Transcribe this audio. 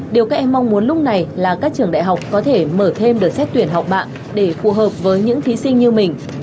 điều các em mong muốn lúc này là các trường đại học có thể mở thêm đợt xét tuyển học bạ để phù hợp với những thí sinh như mình